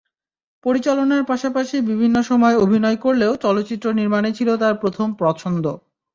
পরিচালনার পাশাপাশি বিভিন্ন সময় অভিনয় করলেও চলচ্চিত্র নির্মাণই ছিল তাঁর প্রথম পছন্দ।